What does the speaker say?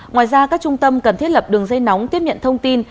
ngoài ra các trung tâm cần thiết lập đường dây nóng tiếp nhận thông tin